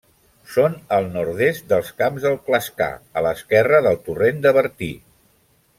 Són al nord-est dels Camps del Clascar, a l'esquerra del torrent de Bertí.